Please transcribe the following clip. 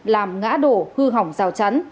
làm ngã đổ hư hỏng rào chắn